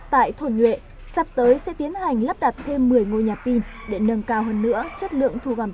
tại thổ nhuệ sắp tới sẽ tiến hành lắp đặt thêm một mươi ngôi nhà pin để nâng cao hơn nữa chất lượng thu gom pin cũ